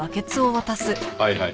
はいはい。